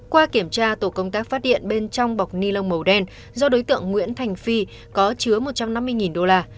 qua kiểm tra tổ công tác phát hiện bên trong bọc ni lông màu đen do đối tượng nguyễn thành phi có chứa một trăm năm mươi đô la